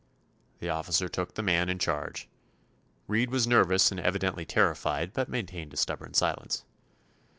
The officer took the man in charge. Reed was nervous and evidently terrified, but maintained a stubborn silence.